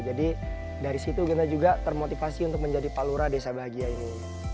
jadi dari situ genta juga termotivasi untuk menjadi pak lura desa bahagia ini